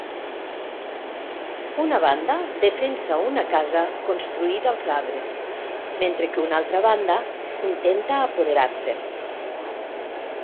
Una banda defensa una casa construïda als arbres mentre que una altra banda intenta apoderar-se'n.